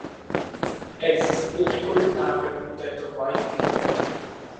Existuje několik návrhů této vlajky.